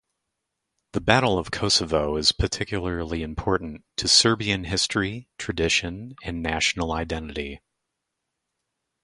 The Battle of Kosovo is particularly important to Serbian history, tradition, and national identity.